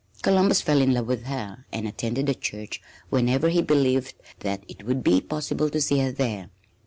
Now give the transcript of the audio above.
Columbus fell in love with her and attended the church whenever he believed that it would be possible to see her there.